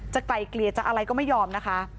ไกลเกลี่ยจะอะไรก็ไม่ยอมนะคะ